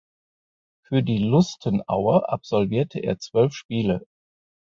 Für die Lustenauer absolvierte er zwölf Spiele.